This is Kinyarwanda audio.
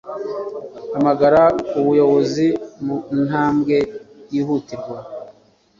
hamagara ubuyobozi mu ntambwe yihutirwa